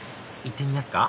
行ってみますか？